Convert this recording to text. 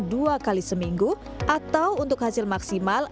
dua kali seminggu atau untuk hasil maksimal